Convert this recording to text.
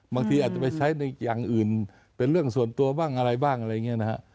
บางทีอาจจะไปใช้ในอย่างอื่นเป็นเรื่องส่วนตัวบ้างอะไรบ้างอะไรอย่างนี้นะฮะ